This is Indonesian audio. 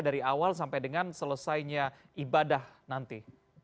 dari awal sampai dengan selesainya ibadah nanti